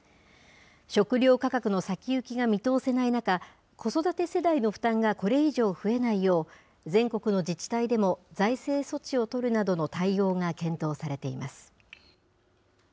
食料価格の先行きが見通せない中、子育て世帯の負担がこれ以上増えないよう、全国の自治体でも財政措置を取るなどの対応が検討されています。